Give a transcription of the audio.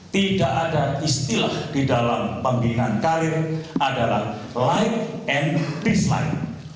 tidak ada istilah di dalam pembinaan karir adalah life and peace life